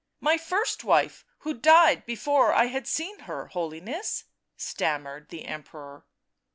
" My first wife who died before I had seen her, Holiness," stammered the Emperor.